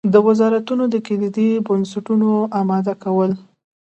د وزارتونو د کلیدي بستونو اماده کول.